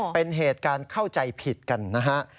เป็นเหตุการณ์เข้าใจผิดกันนะฮะ